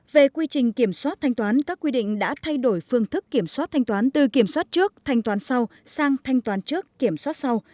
về quy trình kiểm soát thanh toán các quy định đã thay đổi phương thức kiểm soát thanh toán từ kiểm soát trước thanh toán sau sang thanh toán trước kiểm soát sau